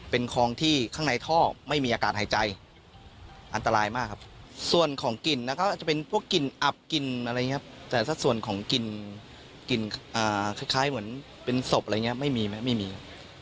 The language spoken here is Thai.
เป็นคลองที่ข้างในท่อไม่มีอากาศหายใจอันตรายมากครับส่วนของกลิ่นนะครับจะเป็นพวกกลิ่นอับกลิ่นอะไรอย่างนี้ครับแต่สักส่วนของกินคล้ายเหมือนเป็นศพอะไรอย่างนี้ไม่มีไหมไม่มี